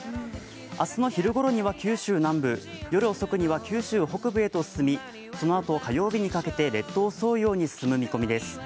明日の昼ごろには九州南部夜遅くには九州北部へ進みそのあと火曜日にかけて列島を沿うように進む見込みです。